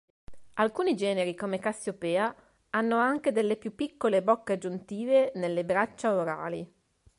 Alcuni generi, come "Cassiopea", hanno anche delle più piccole bocche aggiuntive nelle braccia orali.